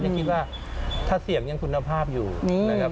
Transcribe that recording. คิดว่าถ้าเสี่ยงยังคุณภาพอยู่นะครับ